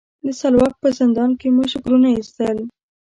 د سلواک په زندان مو شکرونه ایستل.